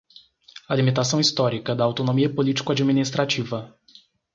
a limitação histórica da autonomia político-administrativa